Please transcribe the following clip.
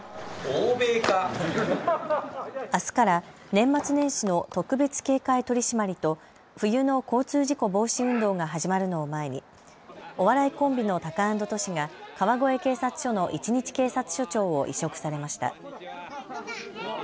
あすから年末年始の特別警戒取締りと冬の交通事故防止運動が始まるのを前に、お笑いコンビのタカアンドトシが川越警察署の１日警察署長を委嘱されました。